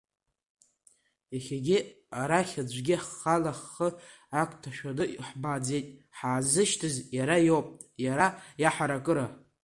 Иахьагьы, арахь аӡәгьы ҳхала ҳхы ак ҭашәаны ҳмааӡеит, ҳаазышьҭыз иара иоуп, иара Иаҳаракыра!